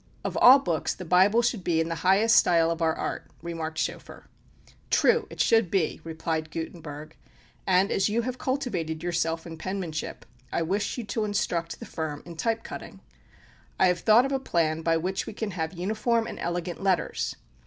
"Of all books the Bible should be in the highest style of our art," remarked Schoeffer. "True, it should be," replied Gutenberg; "and as you have cultivated yourself in penmanship, I wish you to instruct the firm in type cutting. I have thought of a plan by which we can have uniform and elegant letters.